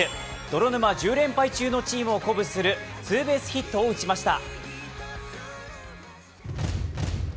泥沼１０連敗中のチームを鼓舞するツーベースヒットを打ちました。